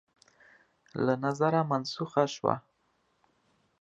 له نظره منسوخه شوه